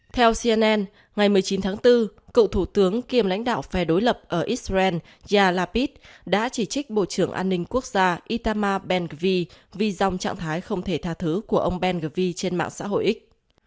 theo cnn ngày một mươi chín tháng bốn cựu thủ tướng kiềm lãnh đạo phe đối lập ở israel yair lapid đã chỉ trích bộ trưởng an ninh quốc gia itamar ben ghvi vì dòng trạng thái không thể tha thứ của ông ben ghvi trên mạng xã hội x